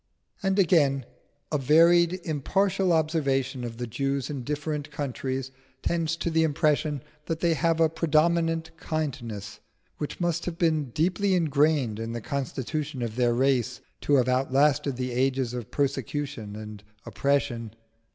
And again, a varied, impartial observation of the Jews in different countries tends to the impression that they have a predominant kindliness which must have been deeply ingrained in the constitution of their race to have outlasted the ages of persecution and oppression.